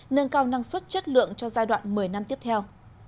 nâng cao năng suất chất lượng cho giai đoạn một mươi năm tiếp theo